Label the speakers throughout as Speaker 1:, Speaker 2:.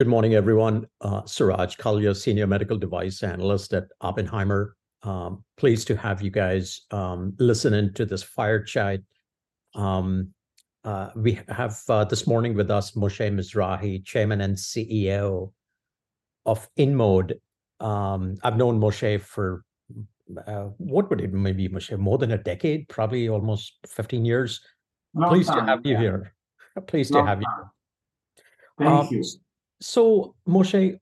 Speaker 1: Good morning, everyone. Suraj Kalia, Senior Medical Device Analyst at Oppenheimer. Pleased to have you guys listening to this fireside chat. We have this morning with us, Moshe Mizrahy, Chairman and CEO of InMode. I've known Moshe for, what would it maybe, Moshe, more than a decade? Probably almost 15 years.
Speaker 2: Long time, yeah.
Speaker 1: Pleased to have you here. Pleased to have you.
Speaker 2: Long time. Thank you.
Speaker 1: So Moshe,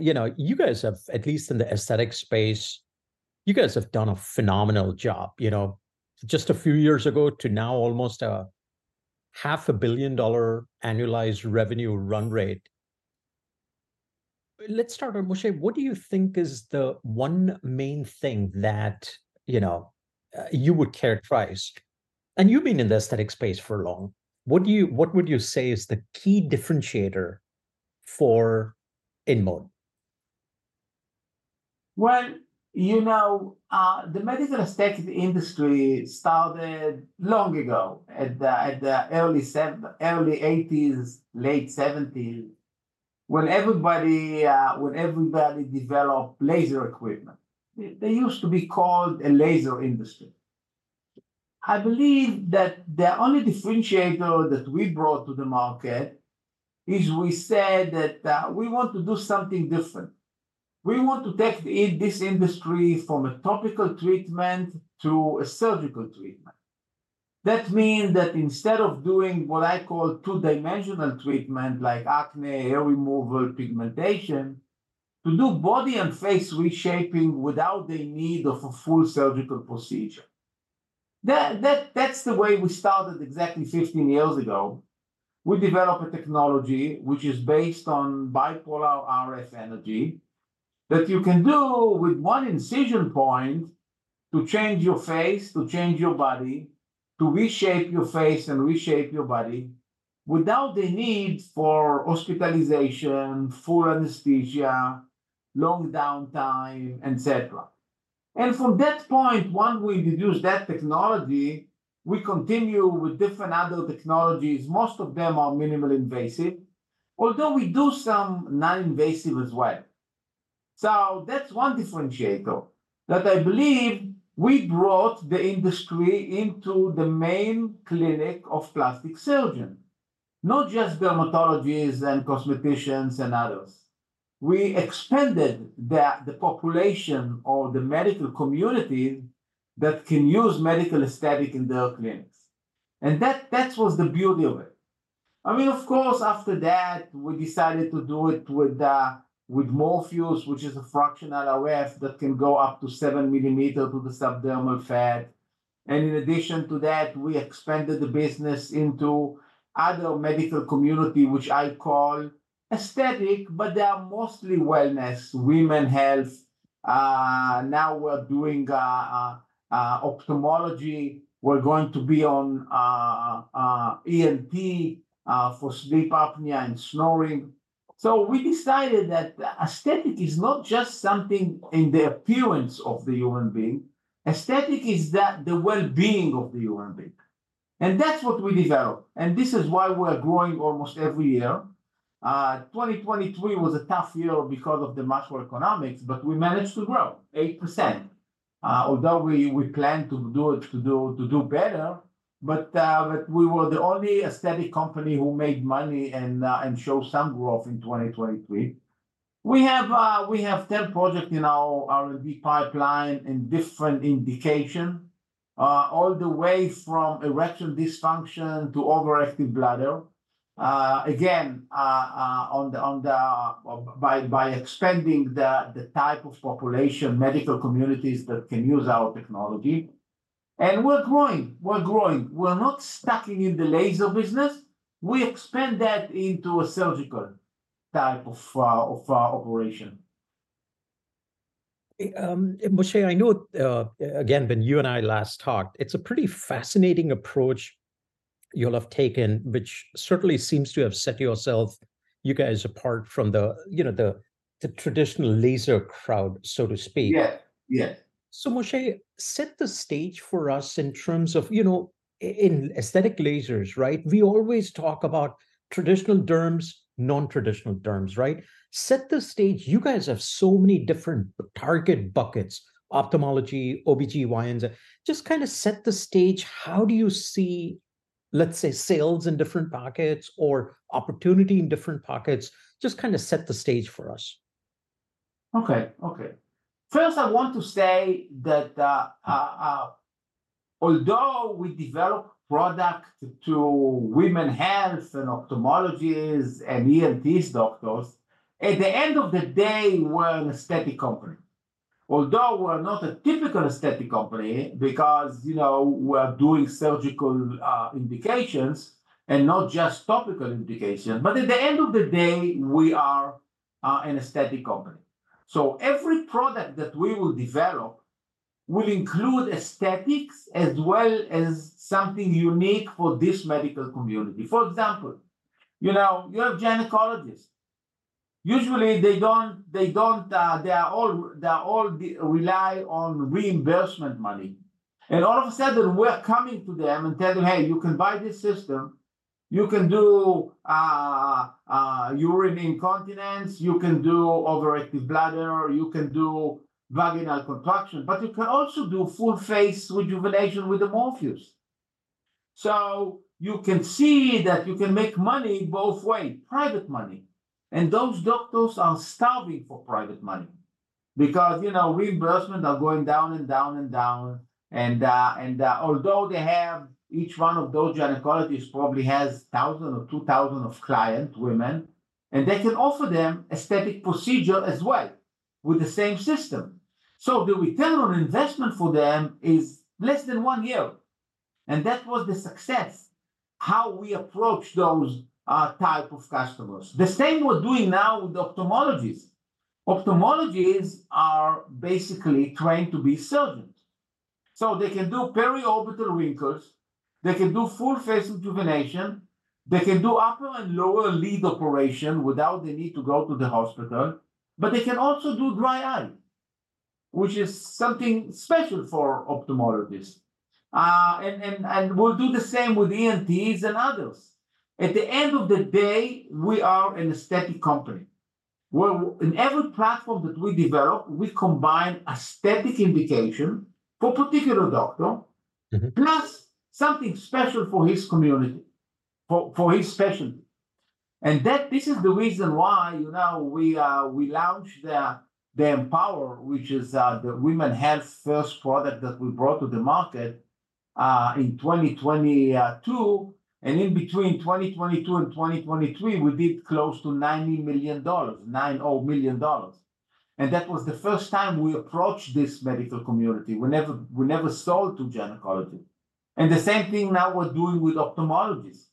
Speaker 1: you know, you guys have, at least in the aesthetic space, you guys have done a phenomenal job. You know, just a few years ago to now almost $500 million annualized revenue run rate. Let's start, Moshe, what do you think is the one main thing that, you know, you would characterize... And you've been in the aesthetic space for long, what would you say is the key differentiator for InMode?
Speaker 2: Well, you know, the medical aesthetic industry started long ago, at the early '80s, late '70s, when everybody developed laser equipment. They used to be called a laser industry. I believe that the only differentiator that we brought to the market is we said that we want to do something different. We want to take this industry from a topical treatment to a surgical treatment. That mean that instead of doing, what I call, two-dimensional treatment, like acne, hair removal, pigmentation, to do body and face reshaping without the need of a full surgical procedure. That's the way we started exactly 15 years ago. We developed a technology which is based on bipolar RF energy, that you can do with one incision point to change your face, to change your body, to reshape your face and reshape your body, without the need for hospitalization, full anesthesia, long downtime, et cetera. From that point, once we introduced that technology, we continue with different other technologies, most of them are minimally invasive, although we do some non-invasive as well. That's one differentiator, that I believe we brought the industry into the main clinic of plastic surgeon, not just dermatologists and cosmeticians and others. We expanded the population or the medical community that can use medical aesthetic in their clinics, and that was the beauty of it. I mean, of course, after that, we decided to do it with Morpheus, which is a fractional RF that can go up to 7 mm to the subdermal fat. And in addition to that, we expanded the business into other medical community, which I call aesthetic, but they are mostly wellness, women's health. Now we're doing ophthalmology. We're going to be on ENT for sleep apnea and snoring. So we decided that aesthetic is not just something in the appearance of the human being, aesthetic is that, the well-being of the human being, and that's what we developed, and this is why we're growing almost every year. 2023 was a tough year because of the macroeconomics, but we managed to grow 8%, although we planned to do better. But we were the only aesthetic company who made money and show some growth in 2023. We have 10 project in our R&D pipeline, in different indication, all the way from erectile dysfunction to overactive bladder. Again, by expanding the type of population, medical communities that can use our technology. And we're growing, we're growing. We're not stuck in the laser business. We expand that into a surgical type of operation.
Speaker 1: Moshe, I know, again, when you and I last talked, it's a pretty fascinating approach you'll have taken, which certainly seems to have set yourself, you guys, apart from the, you know, the traditional laser crowd, so to speak.
Speaker 2: Yeah. Yeah.
Speaker 1: So, Moshe, set the stage for us in terms of, you know, in aesthetic lasers, right? We always talk about traditional derms, non-traditional derms, right? Set the stage. You guys have so many different target buckets, ophthalmology, OBGYNs. Just kind of set the stage, how do you see, let's say, sales in different pockets or opportunity in different pockets? Just kind of set the stage for us.
Speaker 2: Okay. Okay. First, I want to say that although we develop product to women health and ophthalmologists and ENTs doctors, at the end of the day, we're an aesthetic company. Although we're not a typical aesthetic company because, you know, we're doing surgical indications and not just topical indications, but at the end of the day, we are an aesthetic company. So every product that we will develop will include aesthetics as well as something unique for this medical community. For example, you know, you have gynecologists. Usually, they don't. They all rely on reimbursement money... and all of a sudden, we're coming to them and telling them, "Hey, you can buy this system. You can do urine incontinence, you can do overactive bladder, or you can do vaginal contraction, but you can also do full-face rejuvenation with the Morpheus. So you can see that you can make money both way, private money, and those doctors are starving for private money because, you know, reimbursements are going down and down and down, and although they have each one of those gynecologists probably has 1,000 or 2,000 of client women, and they can offer them aesthetic procedure as well with the same system. So the return on investment for them is less than one year, and that was the success, how we approach those type of customers. The same we're doing now with ophthalmologists. Ophthalmologists are basically trained to be surgeons, so they can do periorbital wrinkles, they can do full-face rejuvenation, they can do upper and lower lid operation without the need to go to the hospital, but they can also do dry eye, which is something special for ophthalmologists. And we'll do the same with ENTs and others. At the end of the day, we are an aesthetic company, where in every platform that we develop, we combine aesthetic indication for particular doctor-
Speaker 1: Mm-hmm...
Speaker 2: plus something special for his community, for his specialty, and that this is the reason why now we, we launched the Empower, which is the women health first product that we brought to the market in 2022, and in between 2022 and 2023, we did close to $90 million, nine-oh million dollars, and that was the first time we approached this medical community. We never, we never sold to gynecology. And the same thing now we're doing with ophthalmologists.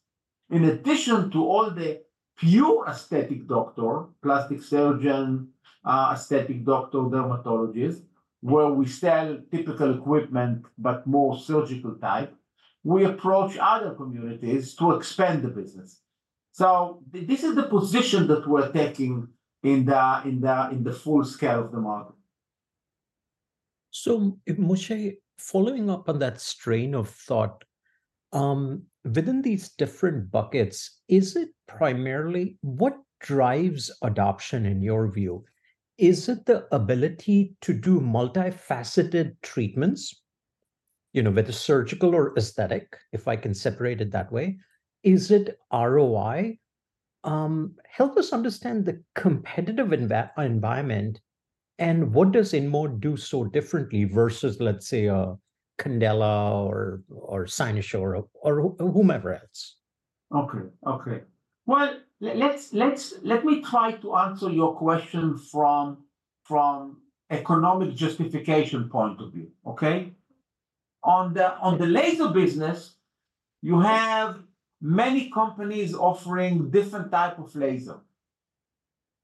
Speaker 2: In addition to all the pure aesthetic doctor, plastic surgeon, aesthetic doctor, dermatologists, where we sell typical equipment, but more surgical type, we approach other communities to expand the business. So this is the position that we're taking in the full scale of the market.
Speaker 1: So Moshe, following up on that strain of thought, within these different buckets, is it primarily... What drives adoption in your view? Is it the ability to do multifaceted treatments, you know, whether surgical or aesthetic, if I can separate it that way? Is it ROI? Help us understand the competitive environment, and what does InMode do so differently versus, let's say, a Candela or, or Cynosure, or, or whomever else?
Speaker 2: Okay. Okay. Well, let's let me try to answer your question from economic justification point of view, okay? On the laser business, you have many companies offering different type of laser,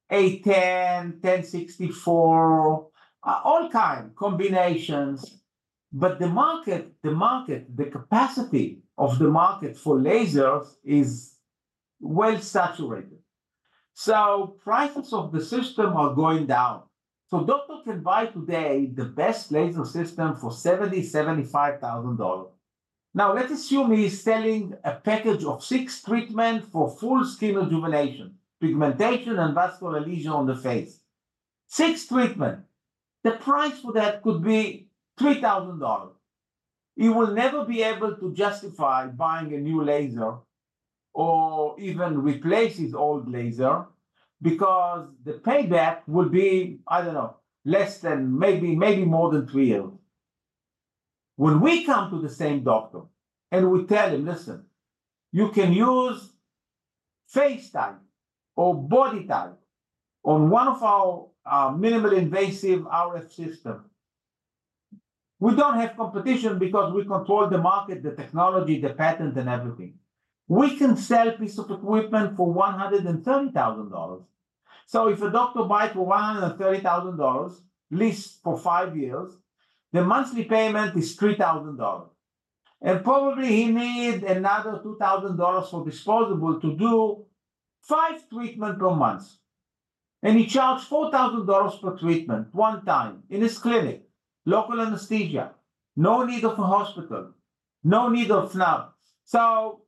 Speaker 2: 810, 1064, all kinds, combinations, but the market, the capacity of the market for lasers is well saturated, so prices of the system are going down. So doctor can buy today the best laser system for $70,000-$75,000. Now, let's assume he's selling a package of six treatments for full skin rejuvenation, pigmentation, and vascular lesion on the face. Six treatments, the price for that could be $3,000. He will never be able to justify buying a new laser or even replace his old laser because the payback will be, I don't know, less than maybe, maybe more than three years. When we come to the same doctor and we tell him, "Listen, you can use FaceTite or BodyTite on one of our minimally invasive RF system," we don't have competition because we control the market, the technology, the patents, and everything. We can sell piece of equipment for $130,000. So if a doctor buy for $130,000, lease for five years, the monthly payment is $3,000, and probably he need another $2,000 for disposable to do five treatment per month, and he charge $4,000 per treatment, one time in his clinic. Local anesthesia, no need of a hospital, no need of a staff. So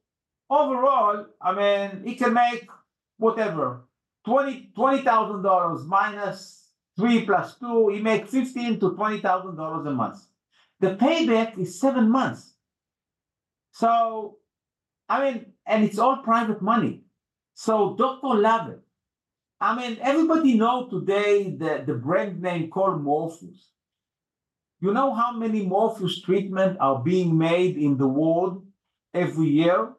Speaker 2: overall, I mean, he can make whatever, $20,000 - 3 + 2, he make $15,000-$20,000 a month. The payback is seven months. So I mean... And it's all private money, so doctor love it. I mean, everybody know today the brand name called Morpheus. You know how many Morpheus treatment are being made in the world every year?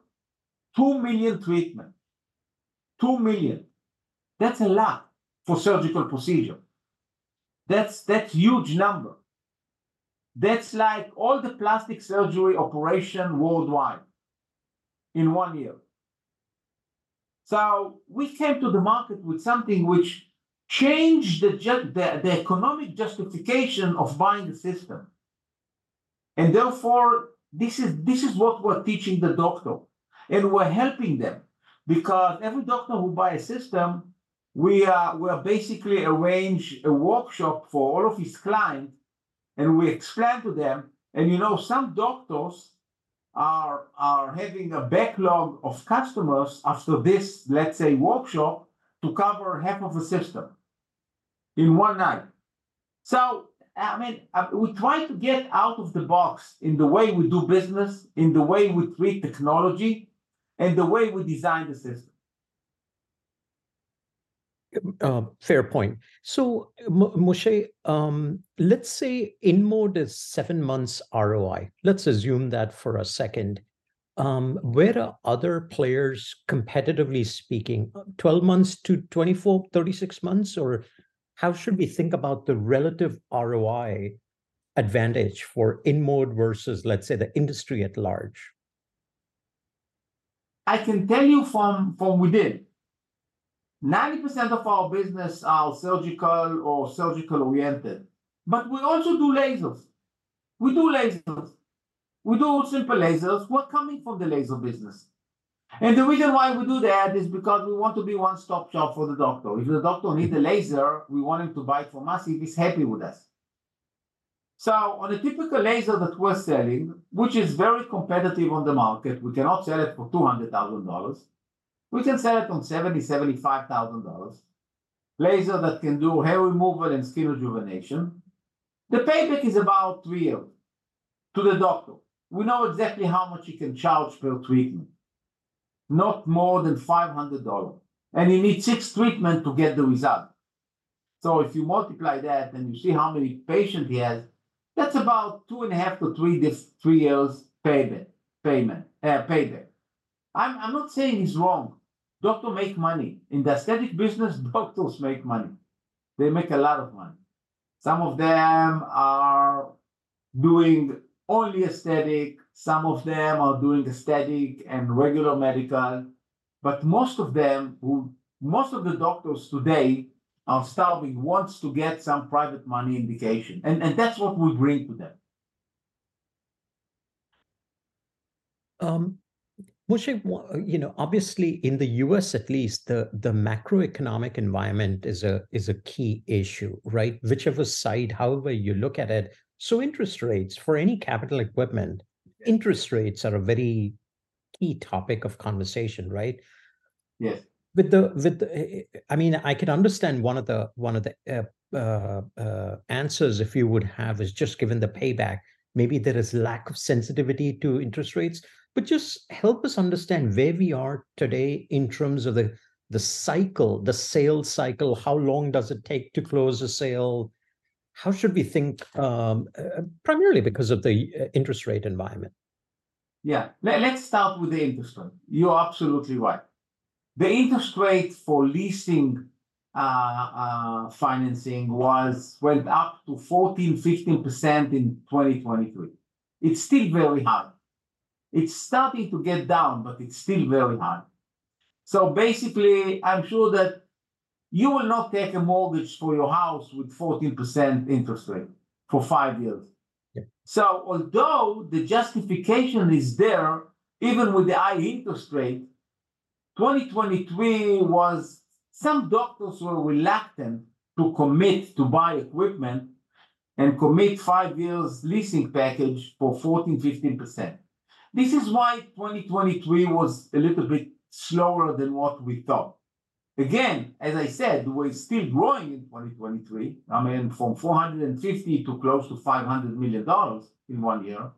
Speaker 2: 2 million treatment. 2 million. That's a lot for surgical procedure. That's a huge number. That's like all the plastic surgery operation worldwide in one year. So we came to the market with something which changed the economic justification of buying the system, and therefore this is what we're teaching the doctor, and we're helping them. Because every doctor who buy a system, we basically arrange a workshop for all of his client, and we explain to them. And, you know, some doctors are having a backlog of customers after this, let's say, workshop, to cover half of the system in one night. I mean, we try to get out of the box in the way we do business, in the way we treat technology, and the way we design the system.
Speaker 1: Fair point. So Moshe, let's say InMode is seven months ROI. Let's assume that for a second. Where are other players competitively speaking, 12 months-24 months, 36 months? Or how should we think about the relative ROI advantage for InMode versus, let's say, the industry at large?
Speaker 2: I can tell you from within, 90% of our business are surgical or surgical-oriented, but we also do lasers. We do lasers. We do simple lasers. We're coming from the laser business, and the reason why we do that is because we want to be one-stop shop for the doctor. If the doctor need a laser, we want him to buy from us if he's happy with us. So on a typical laser that we're selling, which is very competitive on the market, we cannot sell it for $200,000. We can sell it on $70,000-$75,000, laser that can do hair removal and skin rejuvenation. The payback is about three years to the doctor. We know exactly how much he can charge per treatment, not more than $500, and you need six treatment to get the result. So if you multiply that, and you see how many patient he has, that's about 2.5-3 years payment, payment, payback. I'm, I'm not saying it's wrong. Doctor make money. In the aesthetic business, doctors make money. They make a lot of money. Some of them are doing only aesthetic, some of them are doing aesthetic and regular medical, but most of them Most of the doctors today are starving, wants to get some private money indication, and, and that's what we bring to them.
Speaker 1: Moshe, you know, obviously in the U.S. at least, the macroeconomic environment is a key issue, right? Whichever side, however you look at it. So interest rates, for any capital equipment-
Speaker 2: Yeah...
Speaker 1: interest rates are a very key topic of conversation, right?
Speaker 2: Yes.
Speaker 1: With the, I mean, I can understand one of the answers if you would have is just given the payback, maybe there is lack of sensitivity to interest rates. But just help us understand where we are today in terms of the cycle, the sales cycle. How long does it take to close a sale? How should we think primarily because of the interest rate environment?
Speaker 2: Yeah. Let's start with the interest rate. You are absolutely right. The interest rate for leasing, financing was went up to 14%-15% in 2023. It's still very high. It's starting to get down, but it's still very high. So basically, I'm sure that you will not take a mortgage for your house with 14% interest rate for five years.
Speaker 1: Yeah.
Speaker 2: So although the justification is there, even with the high interest rate, 2023 was... Some doctors were reluctant to commit to buy equipment and commit five years leasing package for 14%-15%. This is why 2023 was a little bit slower than what we thought. Again, as I said, we're still growing in 2023, I mean, from $450 million to close to $500 million in one year,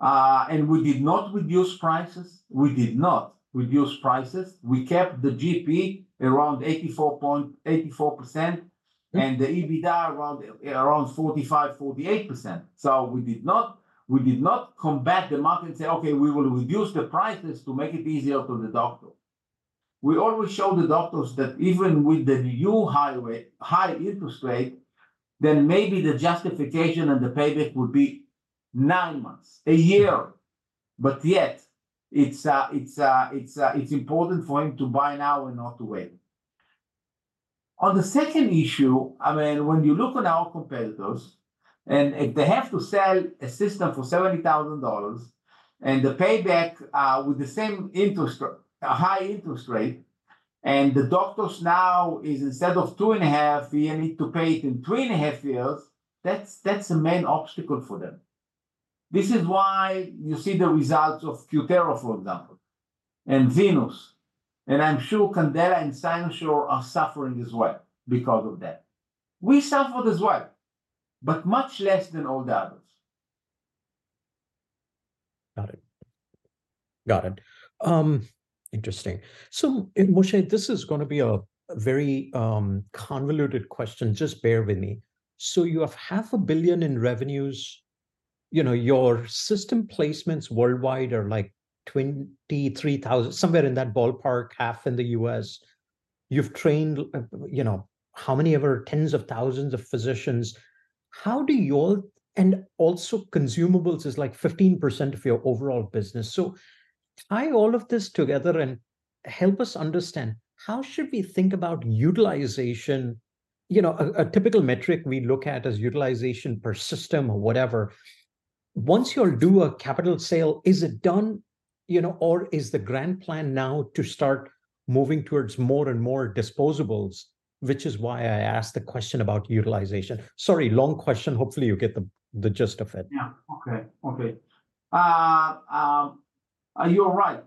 Speaker 2: and we did not reduce prices. We did not reduce prices. We kept the GP around 84... 84%, and the EBITDA around 45%-48%. So we did not, we did not combat the market and say, "Okay, we will reduce the prices to make it easier to the doctor." We always show the doctors that even with the new higher way, high interest rate, then maybe the justification and the payback would be nine months, a year. But yet, it's important for him to buy now and not to wait. On the second issue, I mean, when you look on our competitors, and if they have to sell a system for $70,000, and the payback with the same interest rate, a high interest rate, and the doctors now is instead of 2.5 years, need to pay it in 3.5 years, that's the main obstacle for them. This is why you see the results of Cutera, for example, and Venus, and I'm sure Candela and Cynosure are suffering as well because of that. We suffered as well, but much less than all the others.
Speaker 1: Got it. Got it. Interesting. So, and Moshe, this is gonna be a very, convoluted question. Just bear with me. So you have $500 million in revenues, you know, your system placements worldwide are, like, 23,000, somewhere in that ballpark, half in the U.S. You've trained, you know, how many ever? Tens of thousands of physicians. How do you all... And also consumables is, like, 15% of your overall business. So tie all of this together and help us understand, how should we think about utilization... you know, a typical metric we look at is utilization per system or whatever. Once you'll do a capital sale, is it done, you know, or is the grand plan now to start moving towards more and more disposables? Which is why I asked the question about utilization. Sorry, long question. Hopefully, you get the gist of it.
Speaker 2: Yeah. Okay. Okay. You are right.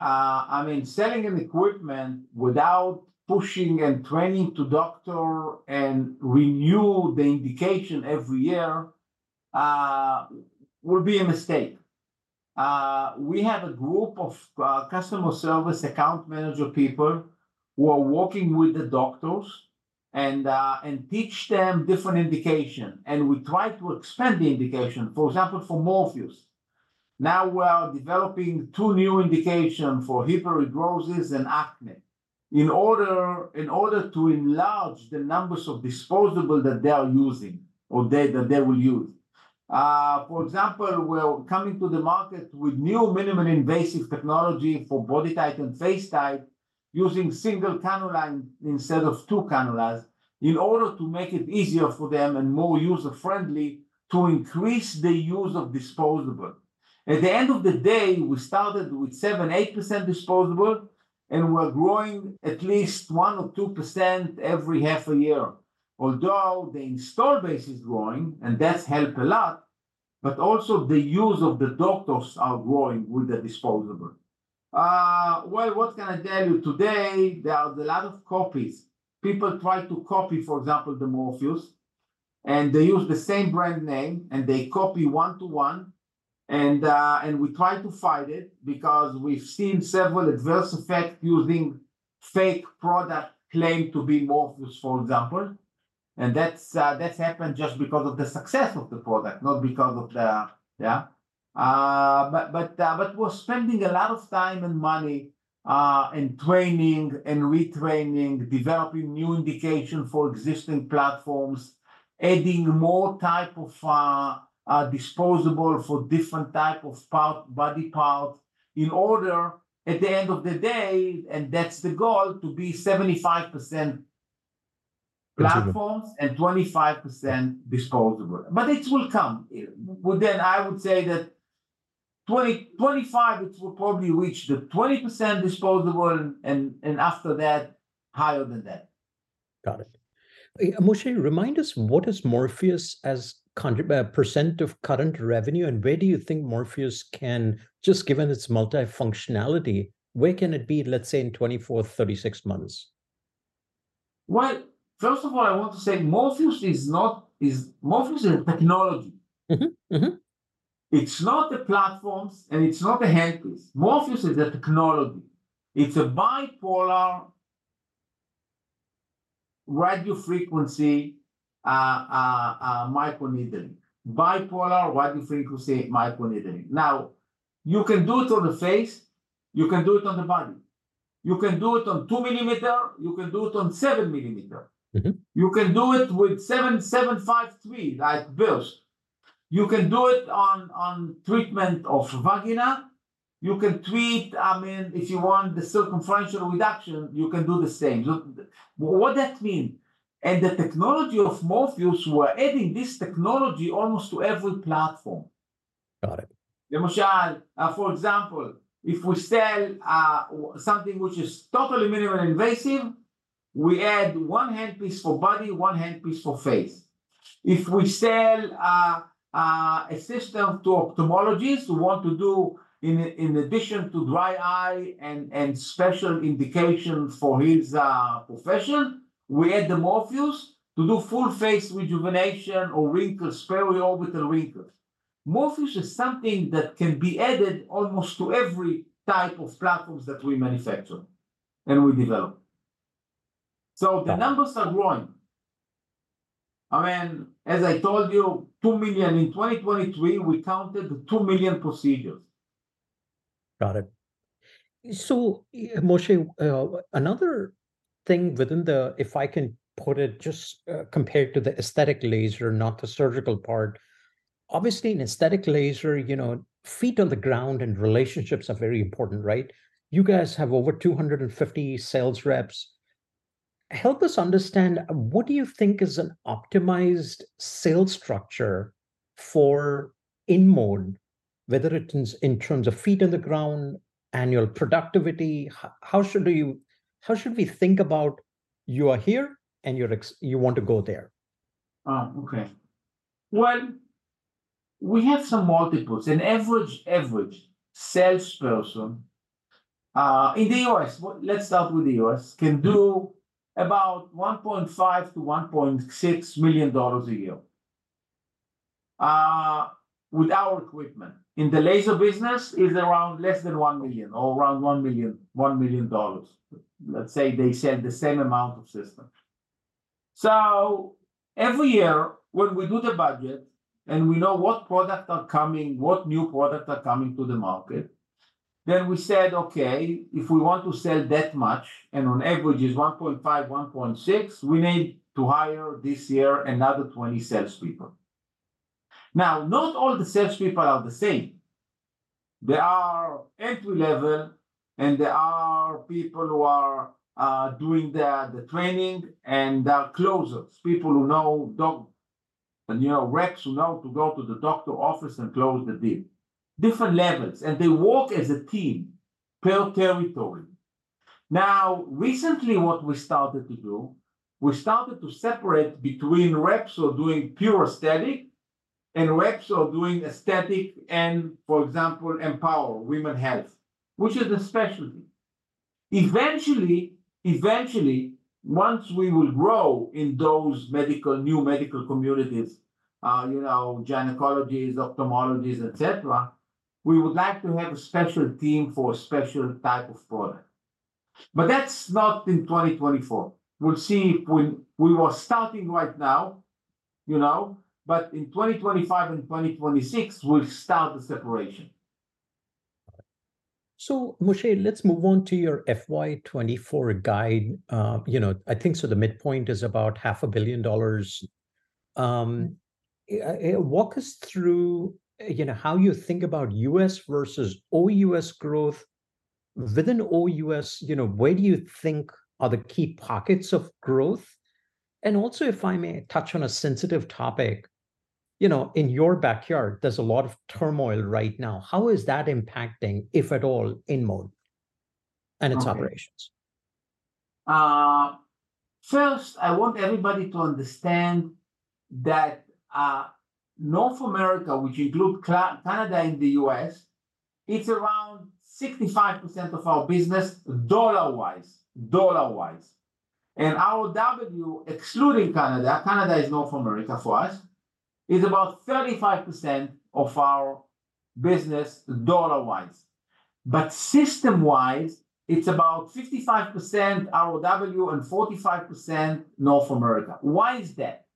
Speaker 2: I mean, selling an equipment without pushing and training to doctor and renew the indication every year would be a mistake. We have a group of customer service, account manager people, who are working with the doctors and and teach them different indication, and we try to expand the indication. For example, for Morpheus, now we are developing two new indication for hyperhidrosis and acne in order, in order to enlarge the numbers of disposable that they are using or they, that they will use. For example, we're coming to the market with new minimally invasive technology for BodyTite and FaceTite, using single cannula and instead of two cannulas, in order to make it easier for them and more user-friendly to increase the use of disposable. At the end of the day, we started with 7%-8% disposable, and we're growing at least 1% or 2% every half a year. Although the install base is growing, and that's helped a lot, but also the use of the doctors are growing with the disposable. Well, what can I tell you? Today, there are a lot of copies. People try to copy, for example, the Morpheus, and they use the same brand name, and they copy one to one, and, and we try to fight it because we've seen several adverse effects using fake product claimed to be Morpheus, for example, and that's, that's happened just because of the success of the product, not because of the... Yeah. But we're spending a lot of time and money in training and retraining, developing new indication for existing platforms, adding more type of disposable for different type of body parts in order, at the end of the day, and that's the goal, to be 75%-
Speaker 1: Consumable...
Speaker 2: platforms and 25% disposable. But it will come. Well, then, I would say that 2025, it will probably reach the 20% disposable and after that, higher than that.
Speaker 1: Got it. Moshe, remind us, what is Morpheus as current percent of current revenue, and where do you think Morpheus can... Just given its multifunctionality, where can it be, let's say, in 24, 36 months?
Speaker 2: Well, first of all, I want to say Morpheus is not... Morpheus is a technology.
Speaker 1: Mm-hmm. Mm-hmm.
Speaker 2: It's not the platforms, and it's not the handles. Morpheus is a technology. It's a bipolar radiofrequency, microneedling. Bipolar radiofrequency microneedling. Now, you can do it on the face, you can do it on the body. You can do it on 2 mm, you can do it on 7 mm.
Speaker 1: Mm-hmm.
Speaker 2: You can do it with seven, seven, five, three, like burst. You can do it on treatment of vagina. You can treat, I mean, if you want the circumferential reduction, you can do the same. Look, what that mean? And the technology of Morpheus, we're adding this technology almost to every platform.
Speaker 1: Got it.
Speaker 2: Yeah, Moshe, for example, if we sell something which is totally minimally invasive, we add one handpiece for body, one handpiece for face. If we sell a system to ophthalmologists who want to do in addition to dry eye and special indication for his profession, we add the Morpheus to do full-face rejuvenation or wrinkles, periorbital wrinkles. Morpheus is something that can be added almost to every type of platforms that we manufacture and we develop.
Speaker 1: Yeah.
Speaker 2: So the numbers are growing. I mean, as I told you, 2 million... In 2023, we counted 2 million procedures.
Speaker 1: Got it. Moshe, another thing within the, if I can put it, just, compared to the aesthetic laser, not the surgical part, obviously in aesthetic laser, you know, feet on the ground and relationships are very important, right? You guys have over 250 sales reps. Help us understand, what do you think is an optimized sales structure for InMode, whether it is in terms of feet on the ground, annual productivity, how should we think about you are here and you want to go there?
Speaker 2: Okay. Well, we have some multiples. An average, average salesperson in the U.S., let's start with the U.S., can do about $1.5 million-$1.6 million a year with our equipment. In the laser business is around less than $1 million or around $1 million, $1 million, let's say they sell the same amount of systems. So every year, when we do the budget and we know what products are coming, what new products are coming to the market, then we said, "Okay, if we want to sell that much, and on average is $1.5, $1.6, we need to hire this year another 20 sales people." Now, not all the sales people are the same... There are entry level, and there are people who are doing the training, and there are closers, people who know doctors and, you know, reps who know to go to the doctor's office and close the deal. Different levels, and they work as a team per territory. Now, recently, what we started to do, we started to separate between reps who are doing pure aesthetic and reps who are doing aesthetic and, for example, Empower women's health, which is a specialty. Eventually, once we will grow in those new medical communities, you know, gynecology, ophthalmology, et cetera, we would like to have a special team for a special type of product. But that's not in 2024. We'll see if we are starting right now, you know, but in 2025 and 2026, we'll start the separation.
Speaker 1: So Moshe, let's move on to your FY24 guide. You know, I think, so the midpoint is about $500 million. Walk us through, you know, how you think about U.S. versus OUS growth. Within OUS, you know, where do you think are the key pockets of growth? And also, if I may touch on a sensitive topic, you know, in your backyard, there's a lot of turmoil right now. How is that impacting, if at all, InMode and its operations?
Speaker 2: Okay. First, I want everybody to understand that North America, which includes Canada and the U.S., it's around 65% of our business dollar-wise, dollar-wise. And our ROW, excluding Canada, Canada is North America for us, is about 35% of our business dollar-wise. But system-wise, it's about 55% ROW and 45% North America. Why is that?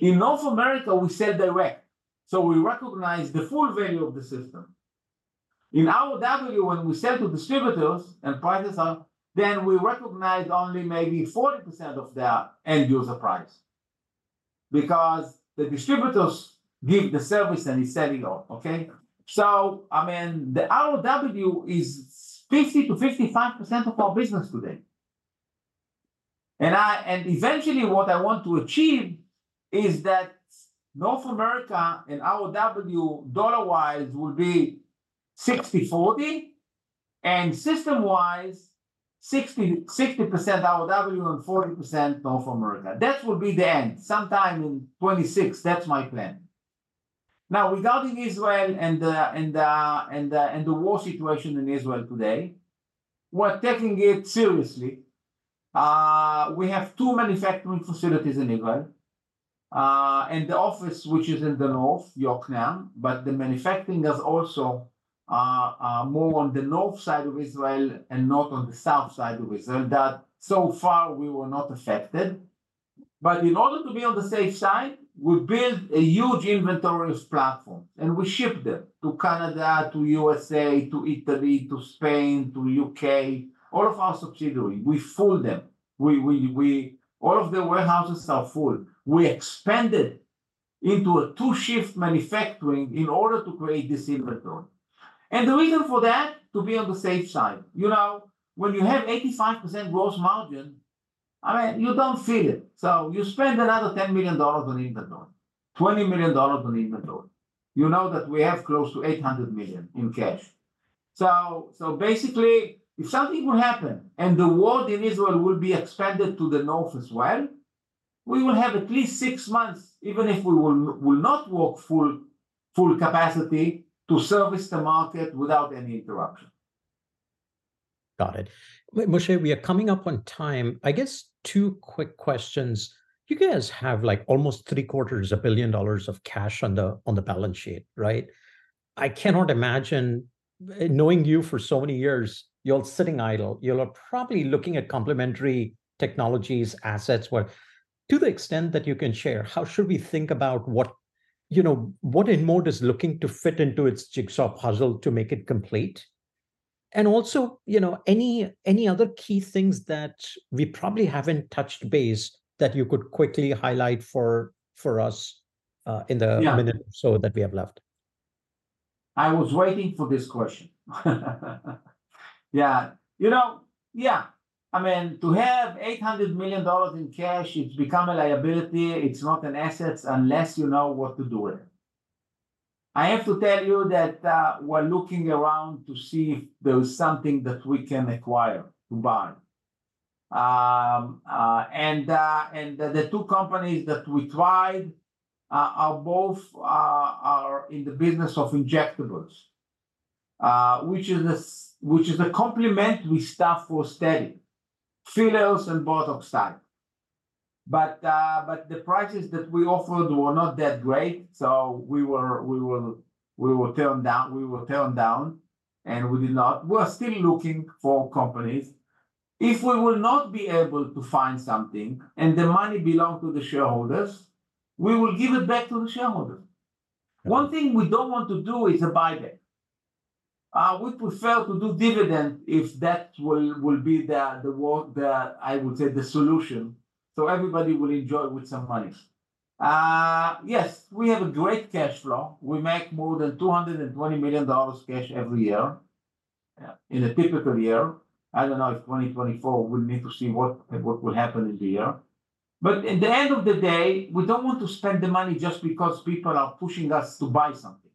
Speaker 2: In North America, we sell direct, so we recognize the full value of the system. In ROW, when we sell to distributors, then we recognize only maybe 40% of their end user price, because the distributors give the service, and they sell it all, okay? So I mean, the ROW is 50%-55% of our business today, and eventually, what I want to achieve is that North America and ROW dollar-wise will be 60/40, and system-wise, 60% ROW and 40% North America. That will be the end, sometime in 2026. That's my plan. Now, regarding Israel and the war situation in Israel today, we're taking it seriously. We have two manufacturing facilities in Israel, and the office, which is in the north, Yokneam, but the manufacturing is also more on the north side of Israel and not on the south side of Israel, that so far we were not affected. But in order to be on the safe side, we build a huge inventories platform, and we ship them to Canada, to USA, to Italy, to Spain, to UK, all of our subsidiary, we fill them. All of the warehouses are full. We expanded into a two-shift manufacturing in order to create this inventory, and the reason for that, to be on the safe side. You know, when you have 85% gross margin, I mean, you don't feel it. So you spend another $10 million on inventory, $20 million on inventory. You know that we have close to $800 million in cash. So basically, if something will happen and the war in Israel will be expanded to the north as well, we will have at least six months, even if we will not work full capacity, to service the market without any interruption.
Speaker 1: Got it. Moshe, we are coming up on time. I guess two quick questions. You guys have, like, almost $750 million of cash on the, on the balance sheet, right? I cannot imagine, knowing you for so many years, you're sitting idle. You're probably looking at complementary technologies, assets. What to the extent that you can share, how should we think about what, you know, what InMode is looking to fit into its jigsaw puzzle to make it complete? And also, you know, any, any other key things that we probably haven't touched base that you could quickly highlight for, for us, in the-
Speaker 2: Yeah...
Speaker 1: minute or so that we have left?
Speaker 2: I was waiting for this question. Yeah. You know, yeah, I mean, to have $800 million in cash, it's become a liability. It's not an asset unless you know what to do with it. I have to tell you that we're looking around to see if there is something that we can acquire, to buy. And the two companies that we tried are both in the business of injectables, which is a complementary stuff for aesthetic fillers and Botox side. But the prices that we offered were not that great, so we were turned down. We were turned down, and we did not... We are still looking for companies. If we will not be able to find something, and the money belong to the shareholders, we will give it back to the shareholders.
Speaker 1: Yeah.
Speaker 2: One thing we don't want to do is a buyback. We prefer to do dividend, if that will be the work that I would say the solution, so everybody will enjoy with some money. Yes, we have a great cash flow. We make more than $220 million cash every year.
Speaker 1: Yeah...
Speaker 2: in a typical year. I don't know if 2024, we'll need to see what, what will happen in the year. But in the end of the day, we don't want to spend the money just because people are pushing us to buy something.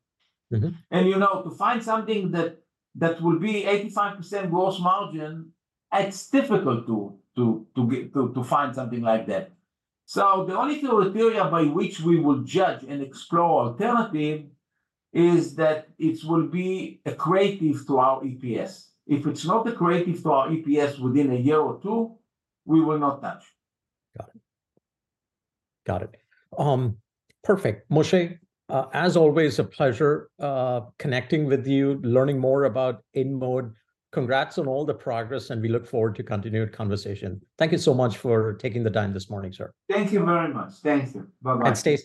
Speaker 1: Mm-hmm.
Speaker 2: You know, to find something that will be 85% gross margin, it's difficult to find something like that. So the only criteria by which we will judge and explore alternative is that it will be accretive to our EPS. If it's not accretive to our EPS within a year or two, we will not touch.
Speaker 1: Got it. Got it. Perfect. Moshe, as always, a pleasure, connecting with you, learning more about InMode. Congrats on all the progress, and we look forward to continued conversation. Thank you so much for taking the time this morning, sir.
Speaker 2: Thank you very much. Thank you. Bye-bye.
Speaker 1: Stay safe.